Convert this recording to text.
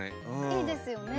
いいですよね。